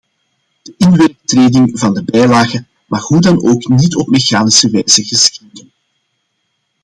De inwerkingtreding van de bijlagen mag hoe dan ook niet op mechanische wijze geschieden.